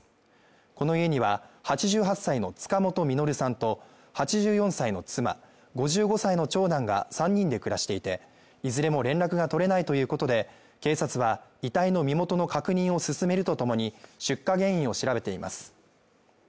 この家には８８歳の塚本実さんと８４歳の妻、５５歳の長男が３人で暮らしていて、いずれも連絡が取れないということで、警察は遺体の身元の確認を進めるとともに出火原因を調べています。